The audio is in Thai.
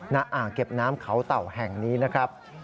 อ่างเก็บน้ำเขาเต่าแห่งนี้นะครับ